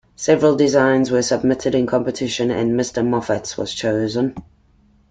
Several designs were submitted in competition and a Mr. Moffat's was chosen.